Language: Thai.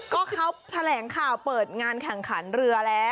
ก็เขาแถลงข่าวเปิดงานแข่งขันเรือแล้ว